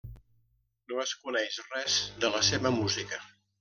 No es coneix res de la seva música.